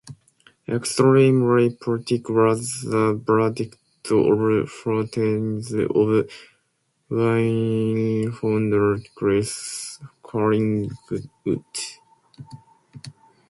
"Extremely poetic" was the verdict of Fountains of Wayne founder Chris Collingwood.